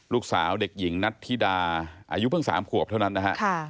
ลูกสาวเด็กหญิงนัทธิดาอายุเพิ่ง๓ขวบเท่านั้นนะฮะ